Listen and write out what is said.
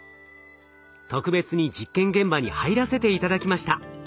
特別に実験現場に入らせて頂きました。